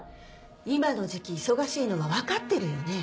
今の時期忙しいのは分かってるよね？